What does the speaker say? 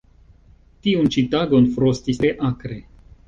Tiun ĉi tagon frostis tre akre.